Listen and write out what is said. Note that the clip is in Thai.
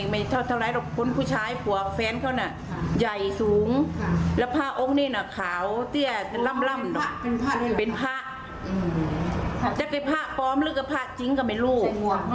เป็นผ้าจะเป็นผ้าปลอมหรือก็ผ้าจริงกับเป็นรูป